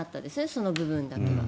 その部分だけは。